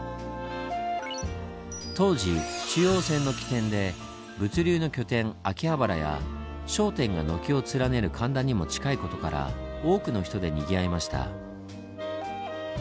当時中央線の起点で物流の拠点秋葉原や商店が軒を連ねる神田にも近いことから多くの人でにぎわいました。